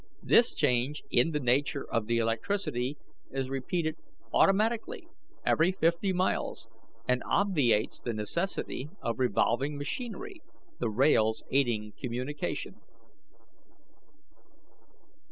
This change in the nature of the electricity is repeated automatically every fifty miles, and obviates the necessity of revolving machinery, the rails aiding communication.